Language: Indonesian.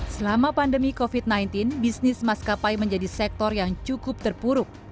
selama pandemi covid sembilan belas bisnis maskapai menjadi sektor yang cukup terpuruk